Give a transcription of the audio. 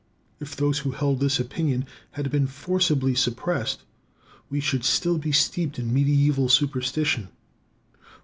If those who held this opinion had been forcibly suppressed, we should still be steeped in medieval superstition.